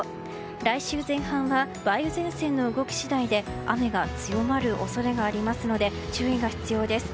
来週前半は梅雨前線の動き次第で雨が強まる恐れがありますので注意が必要です。